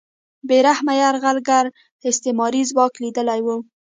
بې رحمه یرغلګر استعماري ځواک لیدلی و